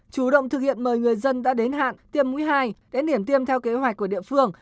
chủ động thực hiện mời người dân đã đến hạn tiêm mũi hai đến điểm tiêm theo kế hoạch của địa phương